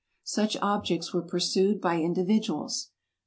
Such objects were pursued by individuals.